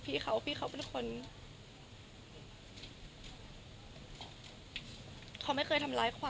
พี่เขาพี่เขาเป็นคนเขาไม่เคยทำร้ายใคร